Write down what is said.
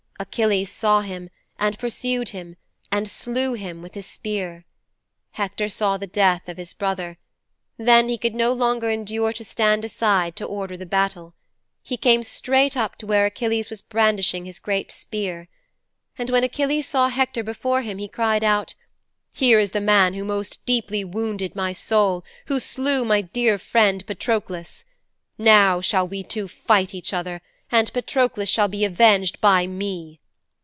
Achilles saw him and pursued him and slew him with the spear. Hector saw the death of his brother. Then he could no longer endure to stand aside to order the battle. He came straight up to where Achilles was brandishing his great spear. And when Achilles saw Hector before him he cried out, "Here is the man who most deeply wounded my soul, who slew my dear friend Patroklos. Now shall we two fight each other and Patroklos shall be avenged by me."